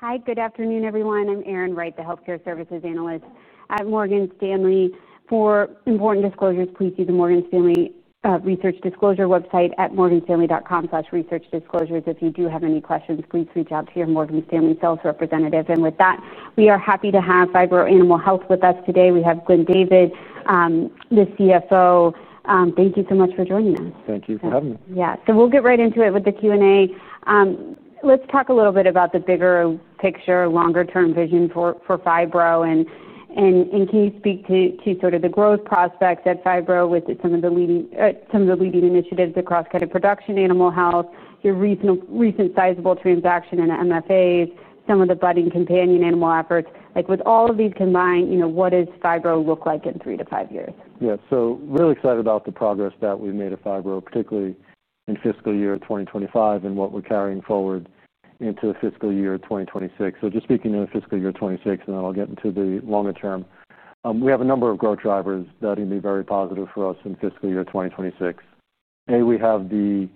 Hi, good afternoon, everyone. I'm Erin Wright, the Healthcare Services Analyst at Morgan Stanley. For important disclosures, please see the Morgan Stanley Research Disclosure website at morganstanley.com/researchdisclosures. If you do have any questions, please reach out to your Morgan Stanley sales representative. We are happy to have Phibro Animal Health Corporation with us today. We have Glenn David, the Chief Financial Officer. Thank you so much for joining us. Thank you for having me. Yeah, we'll get right into it with the Q&A. Let's talk a little bit about the bigger picture, longer-term vision for Phibro Animal Health Corporation. Can you speak to the growth prospects at Phibro with some of the leading initiatives across production animal health, your recent sizable transaction in medicated feed additives, and some of the budding companion animal efforts? With all of these combined, what does Phibro look like in three to five years? Yeah, really excited about the progress that we've made at Phibro Animal Health Corporation, particularly in fiscal year 2025 and what we're carrying forward into fiscal year 2026. Just speaking of fiscal year 2026, and then I'll get into the longer term. We have a number of growth drivers that are going to be very positive for us in fiscal year 2026. A, we have the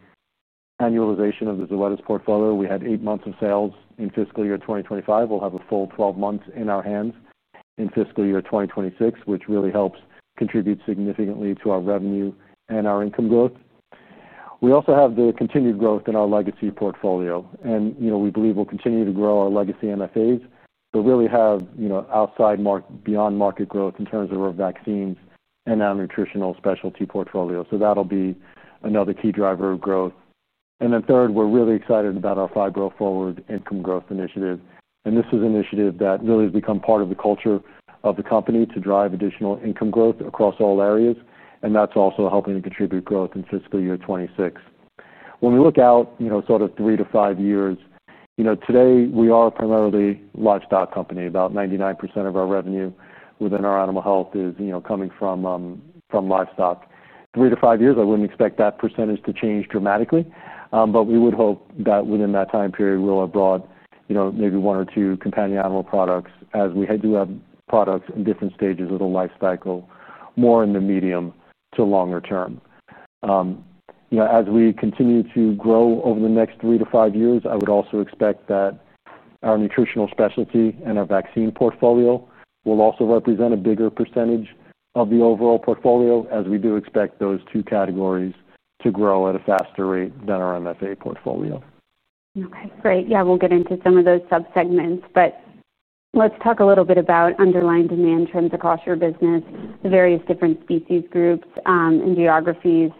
annualization of the Zoetis Inc. medicated feed additives (MFA) portfolio. We had eight months of sales in fiscal year 2025. We'll have a full 12 months in our hands in fiscal year 2026, which really helps contribute significantly to our revenue and our income growth. We also have the continued growth in our legacy portfolio. We believe we'll continue to grow our legacy MFAs, but really have outside market, beyond market growth in terms of our vaccines and our nutritional specialty portfolio. That'll be another key driver of growth. Third, we're really excited about our Phibro Forward Income Growth Initiative. This is an initiative that really has become part of the culture of the company to drive additional income growth across all areas. That's also helping to contribute growth in fiscal year 2026. When we look out three to five years, today we are a primarily livestock company. About 99% of our revenue within our animal health is coming from livestock. Three to five years, I wouldn't expect that percentage to change dramatically. We would hope that within that time period, we'll have brought maybe one or two companion animal products as we do have products in different stages of the lifecycle, more in the medium to longer term. As we continue to grow over the next three to five years, I would also expect that our nutritional specialty and our vaccine portfolio will also represent a bigger percentage of the overall portfolio, as we do expect those two categories to grow at a faster rate than our MFA portfolio. Okay, great. We'll get into some of those subsegments. Let's talk a little bit about underlying demand trends across your business, the various different species groups and geographies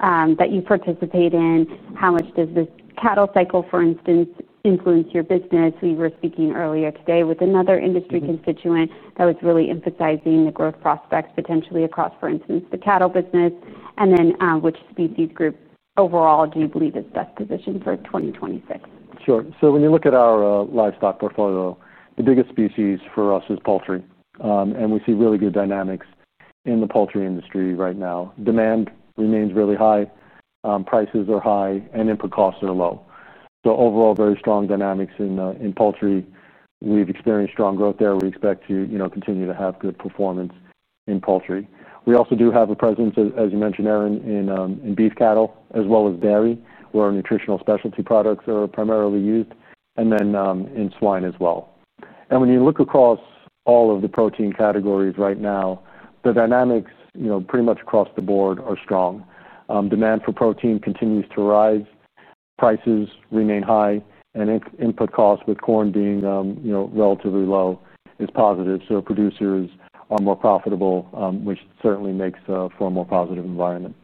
that you participate in. How much does this cattle cycle, for instance, influence your business? We were speaking earlier today with another industry constituent that was really emphasizing the growth prospects potentially across, for instance, the cattle business. Which species group overall do you believe is best positioned for 2026? Sure. When you look at our livestock portfolio, the biggest species for us is poultry. We see really good dynamics in the poultry industry right now. Demand remains really high, prices are high, and input costs are low. Overall, very strong dynamics in poultry. We've experienced strong growth there and expect to continue to have good performance in poultry. We also do have a presence, as you mentioned, Erin, in beef cattle as well as dairy, where our nutritional specialty products are primarily used, and in swine as well. When you look across all of the protein categories right now, the dynamics pretty much across the board are strong. Demand for protein continues to rise, prices remain high, and input costs with corn being relatively low is positive. Producers are more profitable, which certainly makes for a more positive environment.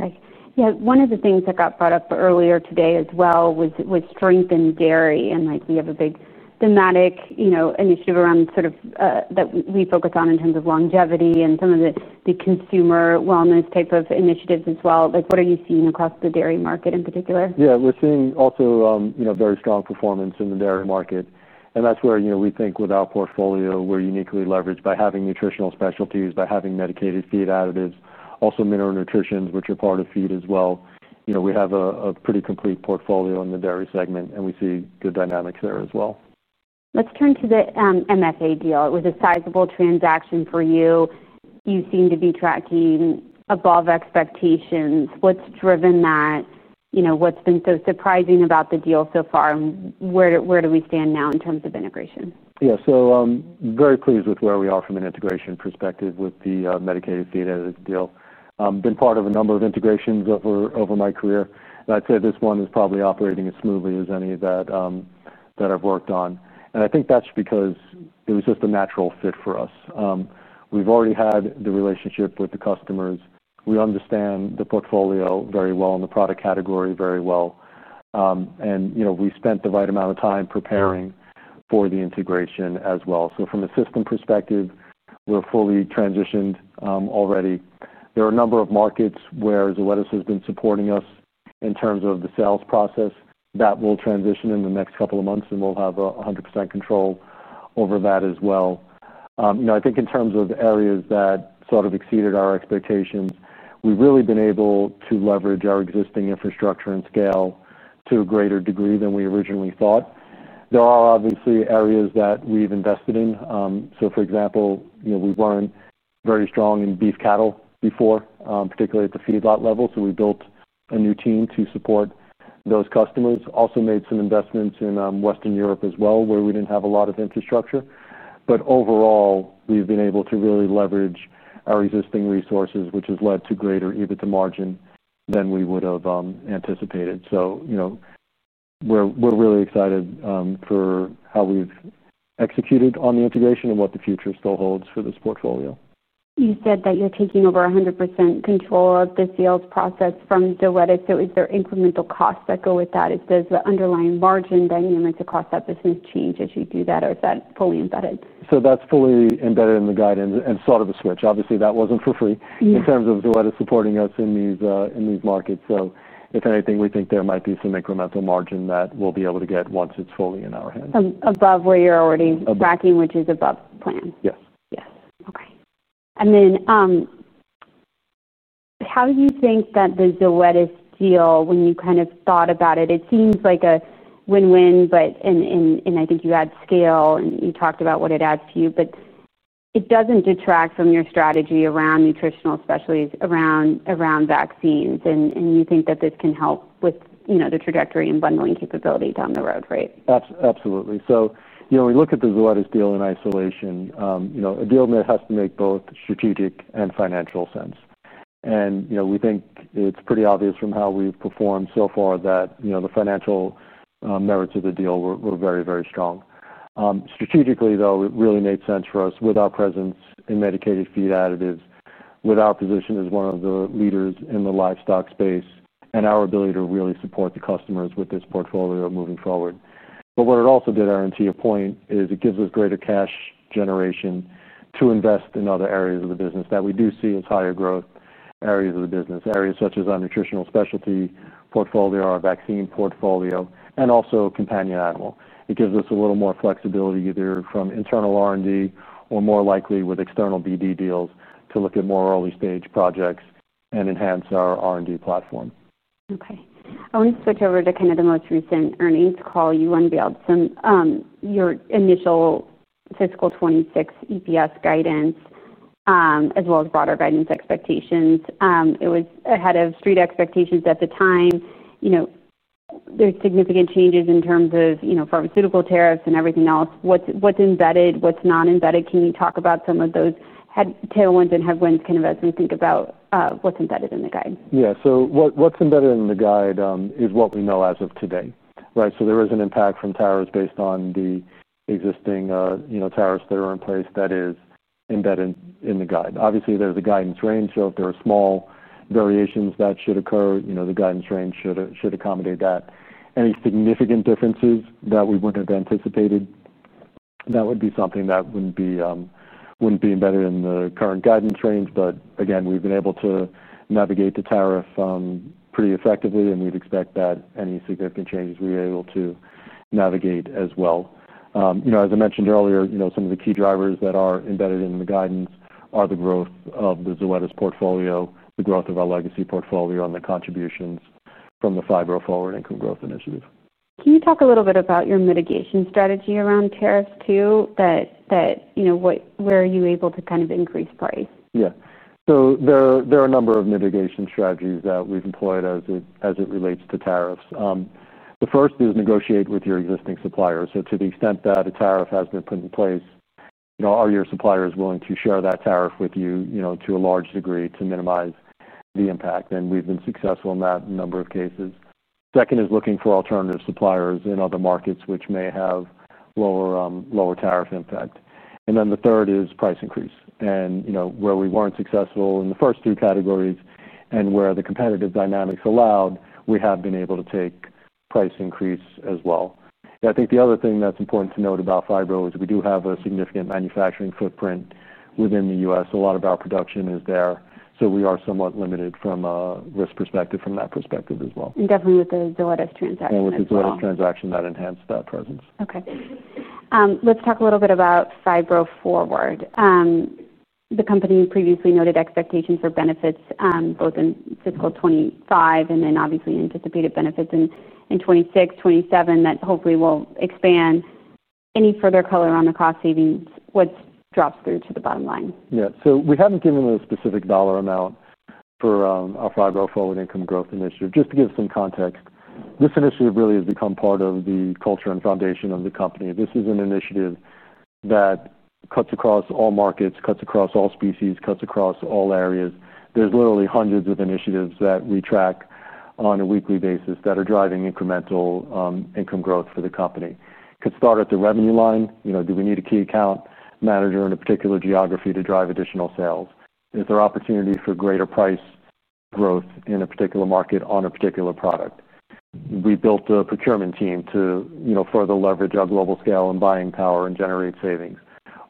Okay. One of the things that got brought up earlier today as well was strength in dairy. We have a big thematic initiative around that we focus on in terms of longevity and some of the consumer wellness type of initiatives as well. What are you seeing across the dairy market in particular? Yeah, we're seeing also, you know, very strong performance in the dairy market. That's where, you know, we think with our portfolio, we're uniquely leveraged by having nutritional specialties, by having medicated feed additives, also mineral nutrition, which are part of feed as well. We have a pretty complete portfolio in the dairy segment and we see good dynamics there as well. Let's turn to the MFA deal. It was a sizable transaction for you. You seem to be tracking above expectations. What's driven that? What's been so surprising about the deal so far? Where do we stand now in terms of integration? Yeah, so I'm very pleased with where we are from an integration perspective with the medicated feed additives deal. I've been part of a number of integrations over my career. I'd say this one is probably operating as smoothly as any of that that I've worked on. I think that's because it was just a natural fit for us. We've already had the relationship with the customers. We understand the portfolio very well and the product category very well. We spent the right amount of time preparing for the integration as well. From a system perspective, we're fully transitioned already. There are a number of markets where Zoetis Inc. has been supporting us in terms of the sales process. That will transition in the next couple of months and we'll have 100% control over that as well. I think in terms of areas that sort of exceeded our expectations, we've really been able to leverage our existing infrastructure and scale to a greater degree than we originally thought. There are obviously areas that we've invested in. For example, we weren't very strong in beef cattle before, particularly at the feedlot level. We built a new team to support those customers. Also made some investments in Western Europe as well, where we didn't have a lot of infrastructure. Overall, we've been able to really leverage our existing resources, which has led to greater EBITDA margin than we would have anticipated. We're really excited for how we've executed on the integration and what the future still holds for this portfolio. You said that you're taking over 100% control of the sales process from Zoetis. Is there incremental costs that go with that? Is there underlying margin dynamics across that business change as you do that, or is that fully embedded? That’s fully embedded in the guidance and sort of a switch. Obviously, that wasn't for free in terms of Zoetis Inc. supporting us in these markets. If anything, we think there might be some incremental margin that we'll be able to get once it's fully in our hands. Above where you're already tracking, which is above plan. Yes. Yes. Okay. How do you think that the Zoetis deal, when you kind of thought about it, it seems like a win-win, and I think you add scale and you talked about what it adds to you, but it doesn't detract from your strategy around nutritional specialties, around vaccines. You think that this can help with the trajectory and bundling capability down the road, right? Absolutely. We look at the Zoetis deal in isolation, a deal that has to make both strategic and financial sense. We think it's pretty obvious from how we've performed so far that the financial merits of the deal were very, very strong. Strategically, it really made sense for us with our presence in medicated feed additives, with our position as one of the leaders in the livestock space, and our ability to really support the customers with this portfolio moving forward. What it also did, Erin, to your point, is it gives us greater cash generation to invest in other areas of the business that we do see as higher growth areas of the business, areas such as our nutritional specialty portfolio, our vaccine portfolio, and also companion animal. It gives us a little more flexibility either from internal R&D or more likely with external BD deals to look at more early-stage projects and enhance our R&D platform. Okay. I want to switch over to kind of the most recent earnings call you unveiled. Some of your initial fiscal 2026 EPS guidance, as well as broader guidance expectations. It was ahead of street expectations at the time. You know, there's significant changes in terms of, you know, pharmaceutical tariffs and everything else. What's embedded, what's not embedded? Can you talk about some of those tailwinds and headwinds kind of as we think about what's embedded in the guide? Yeah, so what's embedded in the guide is what we know as of today. Right. There is an impact from tariffs based on the existing, you know, tariffs that are in place that is embedded in the guide. Obviously, there's a guidance range, so if there are small variations that should occur, the guidance range should accommodate that. Any significant differences that we wouldn't have anticipated, that would be something that wouldn't be embedded in the current guidance range. Again, we've been able to navigate the tariff pretty effectively, and we'd expect that any significant changes we were able to navigate as well. As I mentioned earlier, some of the key drivers that are embedded in the guidance are the growth of the Zoetis portfolio, the growth of our legacy portfolio, and the contributions from the Phibro Forward Income Growth Initiative. Can you talk a little bit about your mitigation strategy around tariffs too? You know, where are you able to kind of increase price? Yeah. There are a number of mitigation strategies that we've employed as it relates to tariffs. The first is negotiate with your existing suppliers. To the extent that a tariff has been put in place, you know, are your suppliers willing to share that tariff with you, you know, to a large degree to minimize the impact? We've been successful in that in a number of cases. Second is looking for alternative suppliers in other markets, which may have lower tariff impact. The third is price increase. Where we weren't successful in the first two categories and where the competitive dynamics allowed, we have been able to take price increase as well. I think the other thing that's important to note about Phibro Animal Health Corporation is we do have a significant manufacturing footprint within the U.S. A lot of our production is there, so we are somewhat limited from a risk perspective from that perspective as well. Definitely with the Zoetis Inc. transaction. With the Zoetis transaction that enhanced that presence. Okay. Let's talk a little bit about Phibro Forward. The company previously noted expectations for benefits, both in fiscal 2025 and then obviously anticipated benefits in 2026, 2027 that hopefully will expand. Any further color on the cost savings? What's dropped through to the bottom line? Yeah, we haven't given a specific dollar amount for our Phibro Forward Income Growth Initiative. Just to give some context, this initiative really has become part of the culture and foundation of the company. This is an initiative that cuts across all markets, cuts across all species, cuts across all areas. There are literally hundreds of initiatives that we track on a weekly basis that are driving incremental income growth for the company. It could start at the revenue line. You know, do we need a key account manager in a particular geography to drive additional sales? Is there opportunity for greater price growth in a particular market on a particular product? We built a procurement team to further leverage our global scale and buying power and generate savings.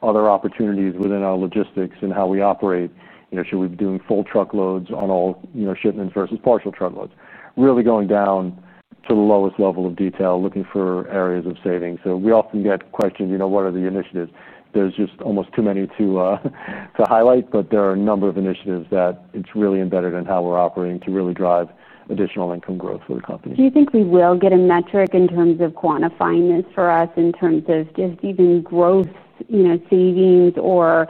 Other opportunities within our logistics and how we operate, you know, should we be doing full truckloads on all shipments versus partial truckloads? Really going down to the lowest level of detail, looking for areas of savings. We often get questioned, what are the initiatives? There are just almost too many to highlight, but there are a number of initiatives that are really embedded in how we're operating to really drive additional income growth for the company. Do you think we will get a metric in terms of quantifying this for us in terms of just even growth, savings, or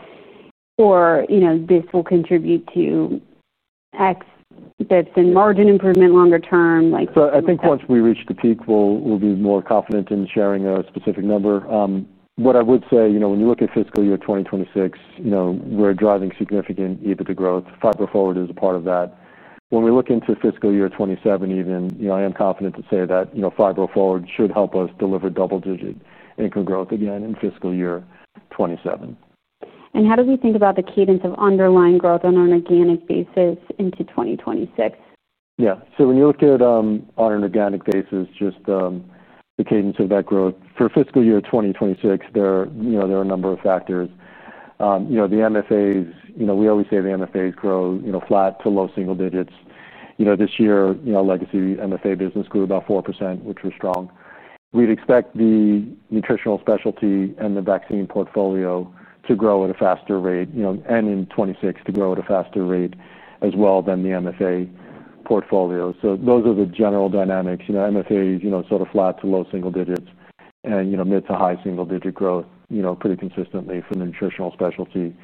you know, this will contribute to X bps in margin improvement longer term? I think once we reach the peak, we'll be more confident in sharing a specific number. What I would say, when you look at fiscal year 2026, we're driving significant EBITDA growth. Phibro Forward is a part of that. When we look into fiscal year 2027 even, I am confident to say that Phibro Forward should help us deliver double-digit income growth again in fiscal year 2027. How do we think about the cadence of underlying growth on an organic basis into 2026? Yeah, so when you look at, on an organic basis, just the cadence of that growth for fiscal year 2026, there are a number of factors. The medicated feed additives, you know, we always say the MFAs grow flat to low single digits. This year, legacy MFA business grew about 4%, which was strong. We'd expect the nutritional specialty and the vaccine portfolio to grow at a faster rate, and in 2026 to grow at a faster rate as well than the MFA portfolio. Those are the general dynamics. MFAs, sort of flat to low single digits, and mid to high single digit growth pretty consistently for the nutritional specialty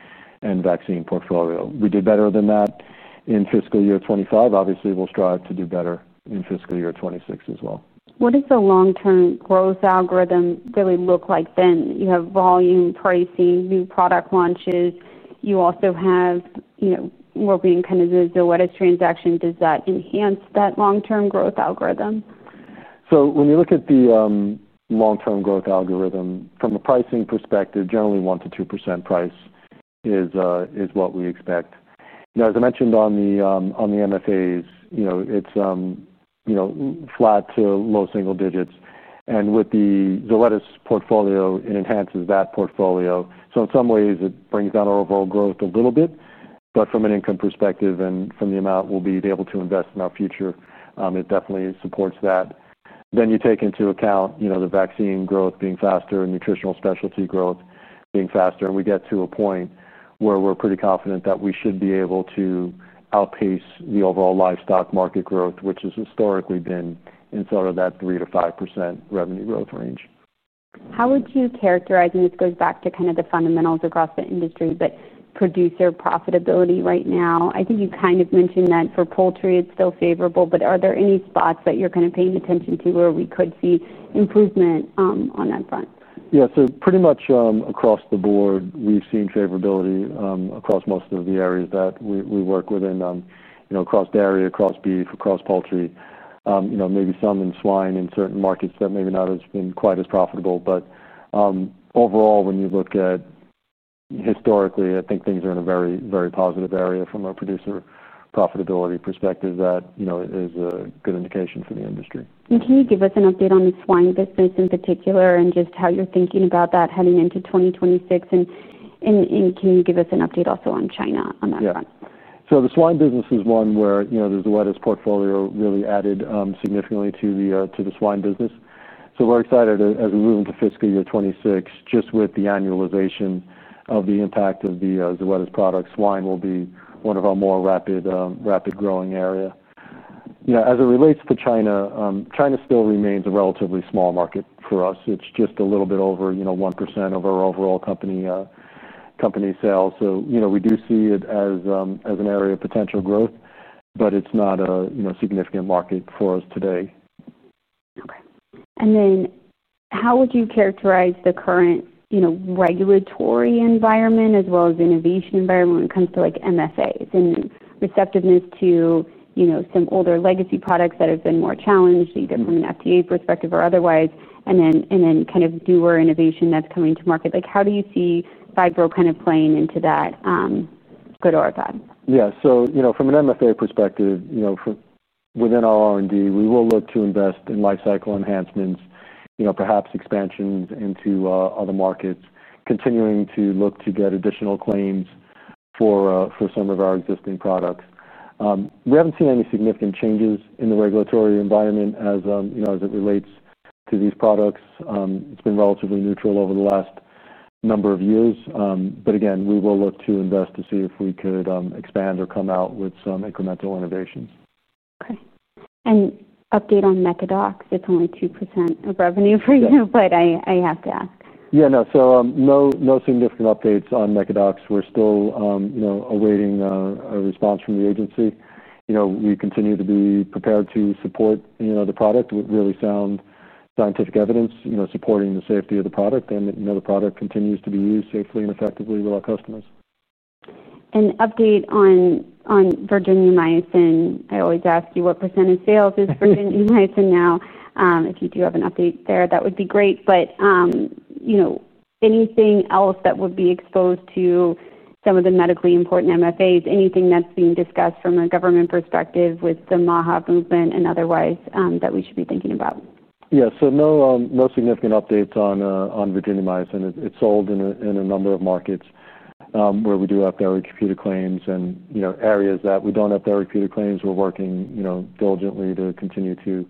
and vaccine portfolio. We did better than that in fiscal year 2025. Obviously, we'll strive to do better in fiscal year 2026 as well. What does the long-term growth algorithm really look like then? You have volume, pricing, new product launches. You also have what being kind of the Zoetis transaction. Does that enhance that long-term growth algorithm? When you look at the long-term growth algorithm, from a pricing perspective, generally 1% to 2% price is what we expect. As I mentioned on the medicated feed additives, it's flat to low single digits. With the Zoetis Inc. portfolio, it enhances that portfolio. In some ways, it brings down our overall growth a little bit. From an income perspective and from the amount we'll be able to invest in our future, it definitely supports that. You take into account the vaccine growth being faster and nutritional specialty growth being faster, and we get to a point where we're pretty confident that we should be able to outpace the overall livestock market growth, which has historically been in that 3% to 5% revenue growth range. How would you characterize, and this goes back to kind of the fundamentals across the industry, producer profitability right now? I think you kind of mentioned that for poultry it's still favorable, but are there any spots that you're kind of paying attention to where we could see improvement on that front? Yeah, so pretty much across the board, we've seen favorability across most of the areas that we work within, you know, across dairy, across beef, across poultry. Maybe some in swine in certain markets that maybe not have been quite as profitable. Overall, when you look at historically, I think things are in a very, very positive area from a producer profitability perspective that, you know, is a good indication for the industry. Can you give us an update on the swine business in particular and just how you're thinking about that heading into 2026? Can you give us an update also on China on that front? Yeah, the swine business is one where the Zoetis portfolio really added significantly to the swine business. We're excited as we move into fiscal year 2026, just with the annualization of the impact of the Zoetis products. Swine will be one of our more rapid, rapid growing areas. As it relates to China, China still remains a relatively small market for us. It's just a little bit over 1% of our overall company sales. We do see it as an area of potential growth, but it's not a significant market for us today. Okay. How would you characterize the current regulatory environment as well as the innovation environment when it comes to MFAs and receptiveness to some older legacy products that have been more challenged, either from an FDA perspective or otherwise, and then kind of newer innovation that's coming to market? How do you see Phibro kind of playing into that, good or bad? Yeah, from an MFA perspective, within our R&D, we will look to invest in lifecycle enhancements, perhaps expansions into other markets, continuing to look to get additional claims for some of our existing products. We haven't seen any significant changes in the regulatory environment as it relates to these products. It's been relatively neutral over the last number of years. Again, we will look to invest to see if we could expand or come out with some incremental innovations. Okay. An update on Mecadox, it's only 2% of revenue for you, but I have to ask. No significant updates on Mecadox. We're still awaiting a response from the agency. We continue to be prepared to support the product with really sound scientific evidence, supporting the safety of the product. The product continues to be used safely and effectively with our customers. Could you update on Virginia Mycin? I always ask you what % of sales is Virginia Mycin now. If you do have an update there, that would be great. Anything else that would be exposed to some of the medically important MFAs? Anything that's being discussed from a government perspective with the MAHA movement and otherwise that we should be thinking about? No significant updates on Virginia Myson. It's sold in a number of markets where we do have therapeutic claims and areas that we don't have therapeutic claims. We're working diligently to continue to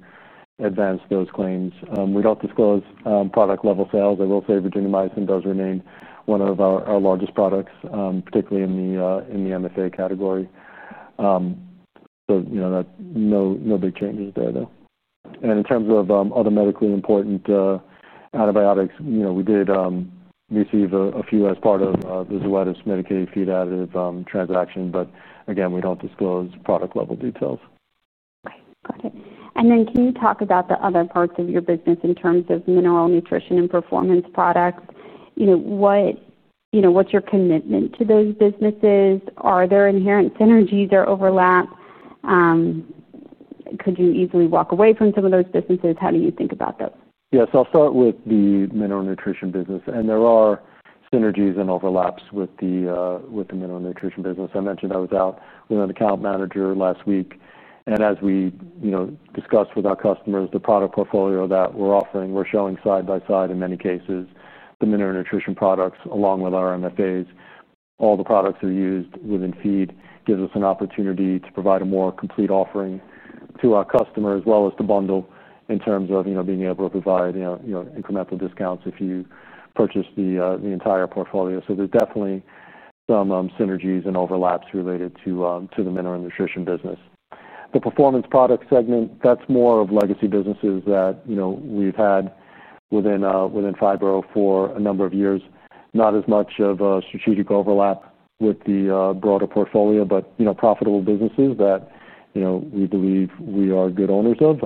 advance those claims. We don't disclose product level sales. I will say Virginia Myson does remain one of our largest products, particularly in the MFA category. No big changes there though. In terms of other medically important antibiotics, we did receive a few as part of the Zoetis medicated feed additives transaction. Again, we don't disclose product level details. Okay, got it. Can you talk about the other parts of your business in terms of mineral nutrition and performance products? What's your commitment to those businesses? Are there inherent synergies or overlap? Could you easily walk away from some of those businesses? How do you think about those? Yeah, I'll start with the mineral nutrition business. There are synergies and overlaps with the mineral nutrition business. I mentioned I was out with another account manager last week. As we discuss with our customers the product portfolio that we're offering, we're showing side by side in many cases the mineral nutrition products along with our MFAs. All the products are used within feed, which gives us an opportunity to provide a more complete offering to our customers as well as to bundle in terms of being able to provide incremental discounts if you purchase the entire portfolio. There's definitely some synergies and overlaps related to the mineral nutrition business. The performance products segment is more of legacy businesses that we've had within Phibro for a number of years. Not as much of a strategic overlap with the broader portfolio, but profitable businesses that we believe we are good owners of,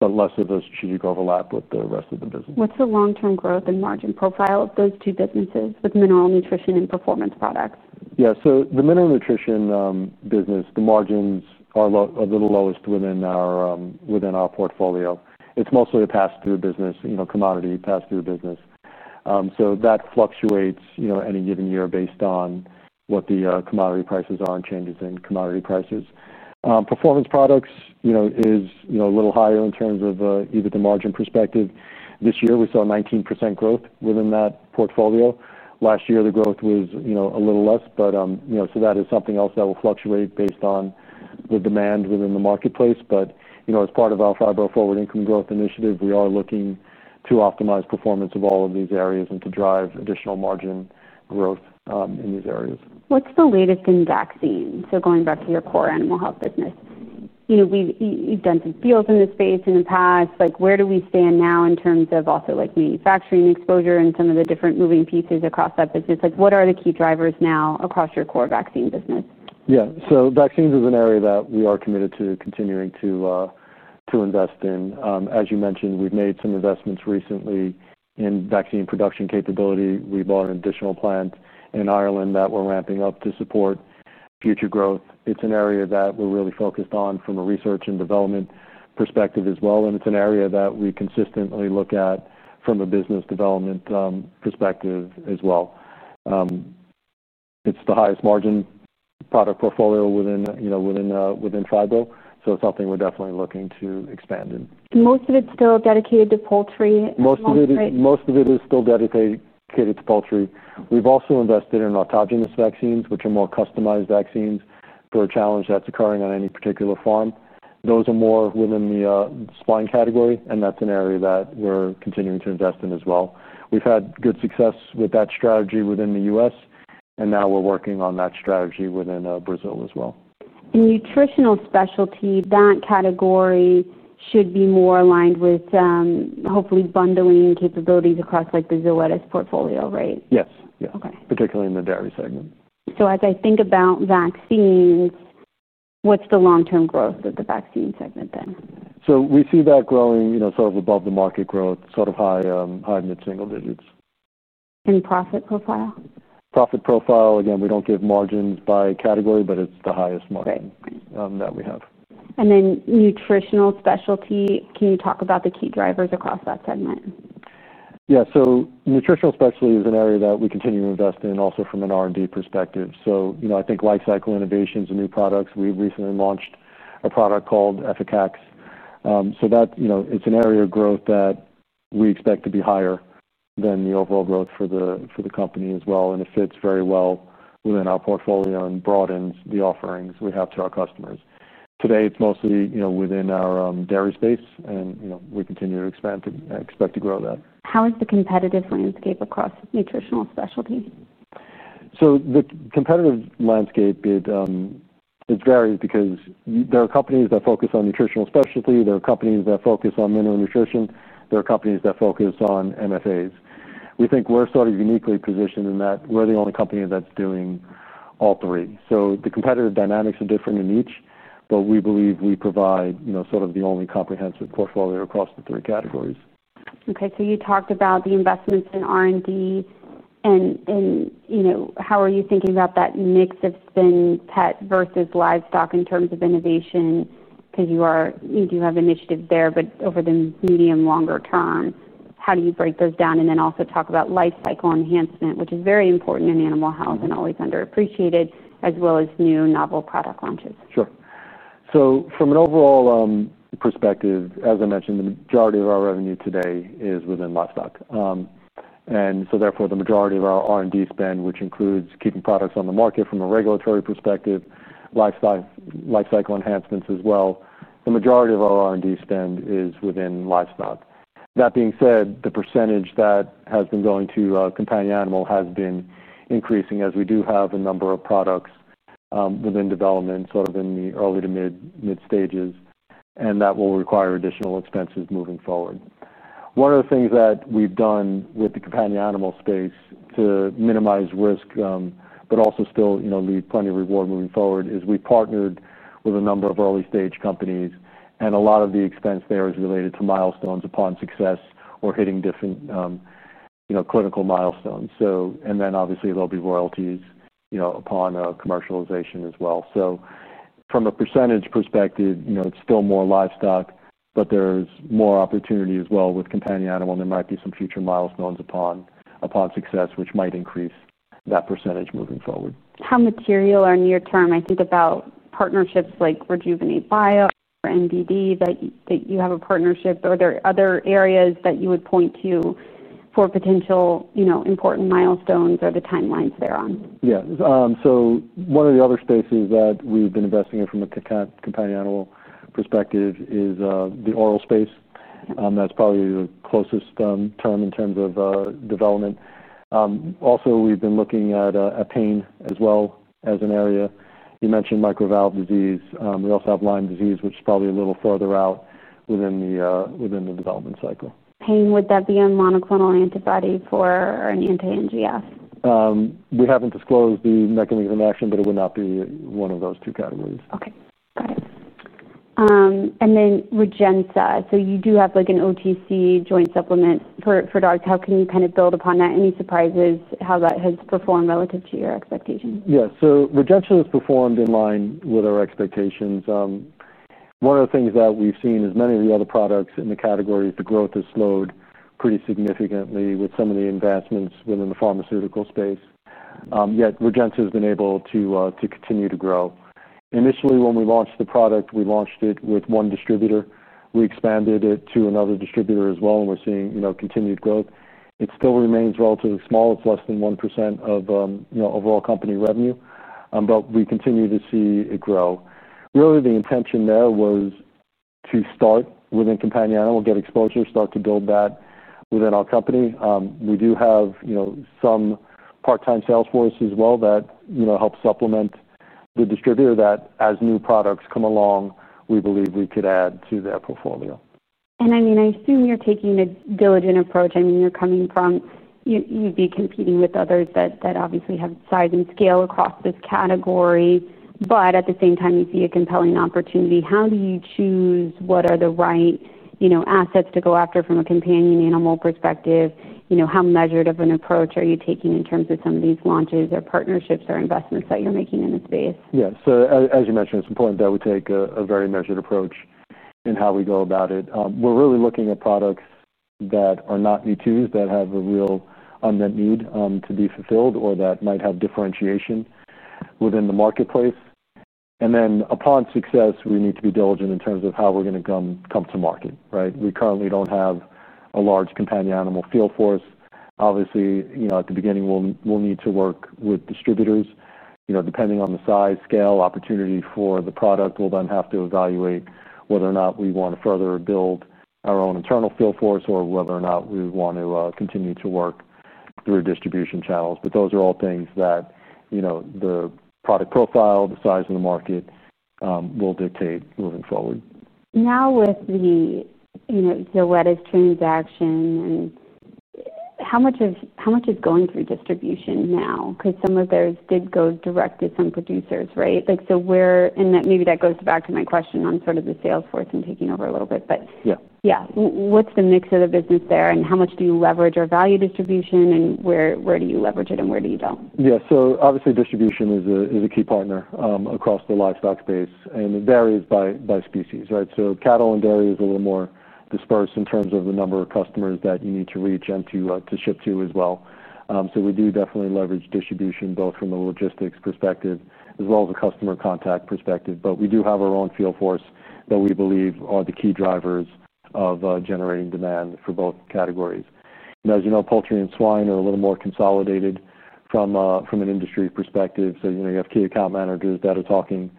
but less of a strategic overlap with the rest of the business. What's the long-term growth and margin profile of those two businesses with mineral nutrition and performance products? Yeah, so the mineral nutrition business, the margins are a little lowest within our portfolio. It's mostly a pass-through business, you know, commodity pass-through business, so that fluctuates, you know, any given year based on what the commodity prices are and changes in commodity prices. Performance products, you know, is, you know, a little higher in terms of EBITDA margin perspective. This year, we saw 19% growth within that portfolio. Last year, the growth was, you know, a little less, but, you know, that is something else that will fluctuate based on the demand within the marketplace. As part of our Phibro Forward Income Growth Initiative, we are looking to optimize performance of all of these areas and to drive additional margin growth in these areas. What's the latest in vaccine? Going back to your core animal health business, we've done some fields in this space in the past. Where do we stand now in terms of also manufacturing exposure and some of the different moving pieces across that business? What are the key drivers now across your core vaccine business? Yeah, vaccines is an area that we are committed to continuing to invest in. As you mentioned, we've made some investments recently in vaccine production capability. We bought an additional plant in Ireland that we're ramping up to support future growth. It's an area that we're really focused on from a research and development perspective as well. It's an area that we consistently look at from a business development perspective as well. It's the highest margin product portfolio within Phibro, so it's something we're definitely looking to expand in. Most of it's still dedicated to poultry. Most of it is still dedicated to poultry. We've also invested in autogenous vaccines, which are more customized vaccines for a challenge that's occurring on any particular farm. Those are more within the swine category, and that's an area that we're continuing to invest in as well. We've had good success with that strategy within the U.S., and now we're working on that strategy within Brazil as well. Nutritional specialty, that category should be more aligned with, hopefully, bundling capabilities across like the Zoetis Inc. portfolio, right? Yes. Yeah. Okay. Particularly in the dairy segment. As I think about vaccines, what's the long-term growth of the vaccine segment then? We see that growing, you know, sort of above the market growth, sort of high, high mid-single digits. Profit profile? Profit profile, again, we don't give margins by category, but it's the highest margin that we have. Nutritional specialty, can you talk about the key drivers across that segment? Yeah, so nutritional specialty is an area that we continue to invest in also from an R&D perspective. I think lifecycle innovations and new products, we recently launched a product called Efficax. It's an area of growth that we expect to be higher than the overall growth for the company as well. It fits very well within our portfolio and broadens the offerings we have to our customers. Today, it's mostly within our dairy space, and we continue to expect to grow that. How is the competitive landscape across nutritional specialties? The competitive landscape varies because there are companies that focus on nutritional specialties, companies that focus on mineral nutrition, and companies that focus on medicated feed additives. We think we're sort of uniquely positioned in that we're the only company that's doing all three. The competitive dynamics are different in each, but we believe we provide the only comprehensive portfolio across the three categories. Okay, you talked about the investments in R&D and, you know, how are you thinking about that mix of spend pet versus livestock in terms of innovation? You do have initiatives there, but over the medium-longer term, how do you break those down? Also, talk about lifecycle enhancement, which is very important in animal health and always underappreciated, as well as new novel product launches. Sure. From an overall perspective, as I mentioned, the majority of our revenue today is within livestock, and so therefore the majority of our R&D spend, which includes keeping products on the market from a regulatory perspective, lifecycle enhancements as well, the majority of our R&D spend is within livestock. That being said, the % that has been going to companion animal has been increasing as we do have a number of products within development, sort of in the early to mid-stages, and that will require additional expenses moving forward. One of the things that we've done with the companion animal space to minimize risk, but also still, you know, leave plenty of reward moving forward is we've partnered with a number of early-stage companies, and a lot of the expense there is related to milestones upon success or hitting different, you know, clinical milestones. Obviously, there'll be royalties, you know, upon commercialization as well. From a % perspective, you know, it's still more livestock, but there's more opportunity as well with companion animal. There might be some future milestones upon success, which might increase that % moving forward. How material or near-term, I think about partnerships like Rejuvenate Bio or MDD that you have a partnership, or are there other areas that you would point to for potential important milestones or the timelines they're on? One of the other spaces that we've been investing in from a companion animal perspective is the oil space. That's probably the closest term in terms of development. Also, we've been looking at pain as well as an area. You mentioned microvalve disease. We also have Lyme disease, which is probably a little further out within the development cycle. Pain, would that be on monoclonal antibody for an anti-NGF? We haven't disclosed the mechanism of action, but it would not be one of those two categories. Got it. You do have like an OTC joint supplement for dogs. How can you kind of build upon that? Any surprises how that has performed relative to your expectations? Yeah, so REGENTA has performed in line with our expectations. One of the things that we've seen is many of the other products in the category, the growth has slowed pretty significantly with some of the investments within the pharmaceutical space. Yet REGENTA has been able to continue to grow. Initially, when we launched the product, we launched it with one distributor. We expanded it to another distributor as well, and we're seeing continued growth. It still remains relatively small. It's less than 1% of overall company revenue, but we continue to see it grow. Really, the intention there was to start within companion animal, get exposure, start to build that within our company. We do have some part-time sales force as well that helps supplement the distributor that as new products come along, we believe we could add to their portfolio. I assume you're taking a diligent approach. You're coming from, you'd be competing with others that obviously have size and scale across this category, but at the same time, you see a compelling opportunity. How do you choose what are the right assets to go after from a companion animal perspective? How measured of an approach are you taking in terms of some of these launches or partnerships or investments that you're making in the space? Yeah, as you mentioned, it's important that we take a very measured approach in how we go about it. We're really looking at products that are not new to us, that have a real unmet need to be fulfilled, or that might have differentiation within the marketplace. Upon success, we need to be diligent in terms of how we're going to come to market, right? We currently don't have a large companion animal field force. Obviously, at the beginning, we'll need to work with distributors. Depending on the size, scale, opportunity for the product, we'll then have to evaluate whether or not we want to further build our own internal field force or whether or not we want to continue to work through distribution channels. Those are all things that the product profile, the size of the market, will dictate moving forward. Now with the Zoetis transaction, how much is going through distribution now? Because some of those did go direct to some producers, right? Where in that, maybe that goes back to my question on the sales force and taking over a little bit, but yeah, what's the mix of the business there and how much do you leverage or value distribution and where do you leverage it and where do you not? Yeah, obviously distribution is a key partner across the livestock space and it varies by species, right? Cattle and dairy is a little more dispersed in terms of the number of customers that you need to reach and to ship to as well. We do definitely leverage distribution both from a logistics perspective as well as a customer contact perspective, but we do have our own field force that we believe are the key drivers of generating demand for both categories. As you know, poultry and swine are a little more consolidated from an industry perspective. You have key account managers that are talking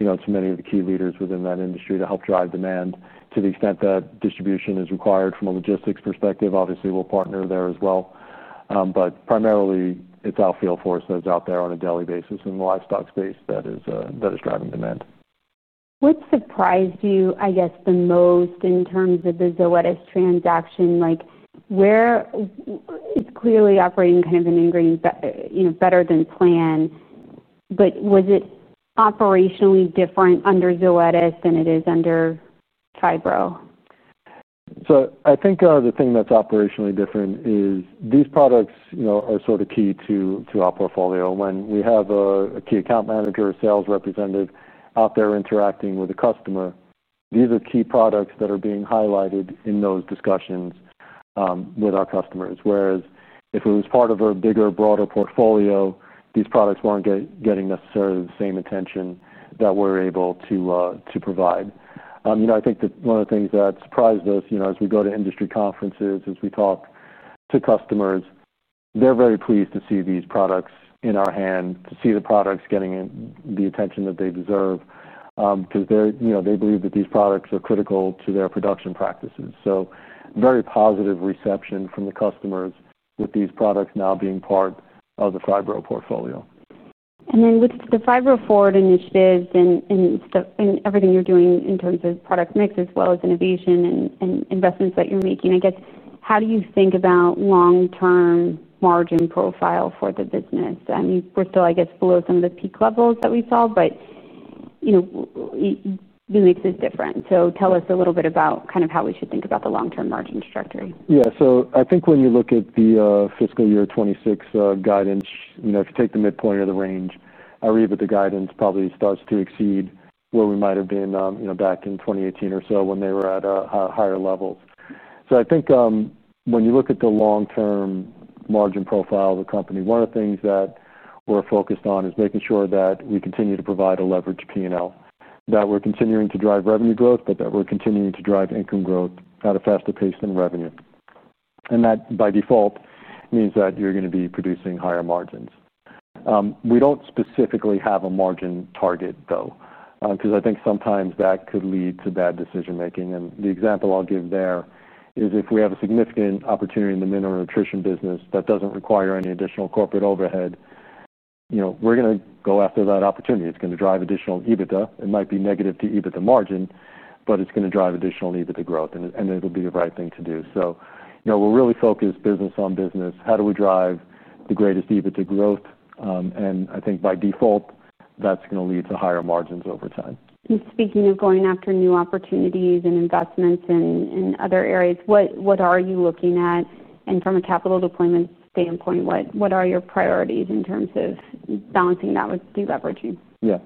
to many of the key leaders within that industry to help drive demand to the extent that distribution is required from a logistics perspective. Obviously, we'll partner there as well, but primarily, it's our field force that's out there on a daily basis in the livestock space that is driving demand. What surprised you, I guess, the most in terms of the Zoetis transaction? Like, where it's clearly operating kind of ingrained better than plan, was it operationally different under Zoetis than it is under Phibro? I think the thing that's operationally different is these products are sort of key to our portfolio. When we have a key account manager or sales representative out there interacting with a customer, these are key products that are being highlighted in those discussions with our customers. Whereas if it was part of a bigger, broader portfolio, these products weren't getting necessarily the same attention that we're able to provide. I think that one of the things that surprised us, as we go to industry conferences, as we talk to customers, they're very pleased to see these products in our hand, to see the products getting the attention that they deserve, because they believe that these products are critical to their production practices. Very positive reception from the customers with these products now being part of the Phibro portfolio. With the Phibro Forward Income Growth Initiative and everything you're doing in terms of product mix as well as innovation and investments that you're making, how do you think about long-term margin profile for the business? We're still, I guess, below some of the peak levels that we saw, but it makes it different. Tell us a little bit about how we should think about the long-term margin trajectory. Yeah, so I think when you look at the fiscal 2026 guidance, if you take the midpoint of the range, I read that the guidance probably starts to exceed where we might have been back in 2018 or so when they were at a higher level. I think, when you look at the long-term margin profile of the company, one of the things that we're focused on is making sure that we continue to provide a leveraged P&L, that we're continuing to drive revenue growth, but that we're continuing to drive income growth at a faster pace than revenue. That by default means that you're going to be producing higher margins. We don't specifically have a margin target though, because I think sometimes that could lead to bad decision making. The example I'll give there is if we have a significant opportunity in the mineral nutrition business that doesn't require any additional corporate overhead, we're going to go after that opportunity. It's going to drive additional EBITDA. It might be negative to EBITDA margin, but it's going to drive additional EBITDA growth, and it'll be the right thing to do. We're really focused business on business. How do we drive the greatest EBITDA growth? I think by default, that's going to lead to higher margins over time. Speaking of going after new opportunities and investments in other areas, what are you looking at? From a capital deployment standpoint, what are your priorities in terms of balancing that with de-leveraging? Yeah,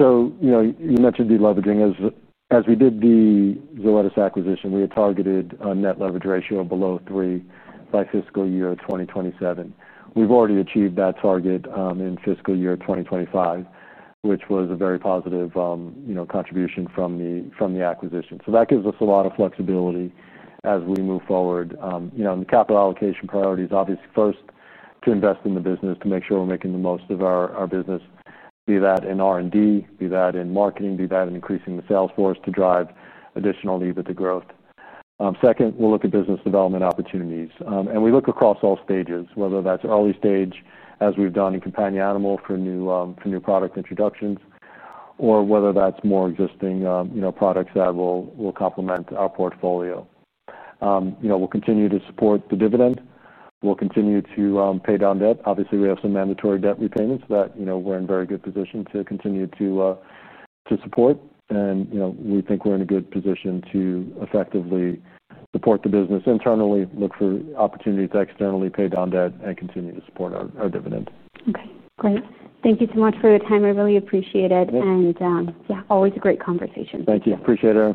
so, you know, you mentioned de-leveraging. As we did the Zoetis acquisition, we had targeted a net leverage ratio of below 3 by fiscal year 2027. We've already achieved that target in fiscal year 2025, which was a very positive, you know, contribution from the acquisition. That gives us a lot of flexibility as we move forward. The capital allocation priority is obviously first to invest in the business to make sure we're making the most of our business, be that in R&D, be that in marketing, be that in increasing the sales force to drive additional EBITDA growth. Second, we'll look at business development opportunities. We look across all stages, whether that's early stage, as we've done in companion animal for new product introductions, or whether that's more existing, you know, products that will complement our portfolio. We'll continue to support the dividend. We'll continue to pay down debt. Obviously, we have some mandatory debt repayments that, you know, we're in very good position to continue to support. We think we're in a good position to effectively support the business internally, look for opportunities to externally pay down debt, and continue to support our dividend. Okay, great. Thank you so much for your time. I really appreciate it. Yeah, always a great conversation. Thank you. Appreciate it.